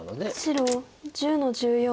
白１０の十四。